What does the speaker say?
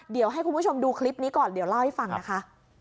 เดี๋ยวให้คุณผู้ชมดูคลิปนี้ก่อนเดี๋ยวเล่าให้ฟังนะคะ